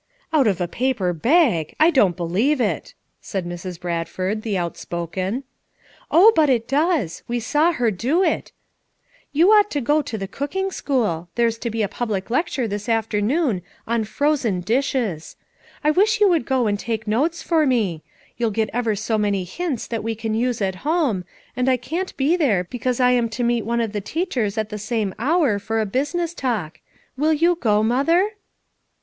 "Out of a paper bag! I don't believe it," said Mrs. Bradford, the outspoken. "Oh, but it does; we saw her do it. You FOUR MOTHERS AT CHAUTAUQUA 307 ought to go to the cooking schooL There *s to be a public lecture this afternoon on 'Frozen Dishes/ I wish you would go and take notes for me; you'll get ever so many hints that we can use at home, and I can't be there because I am to meet one of the teachers at the same hour for a business talk. Will you go, Mother?"